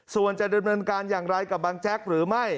ส่วนจะดำเนินการอย่างไรกับบางแจ๊กหรือไม่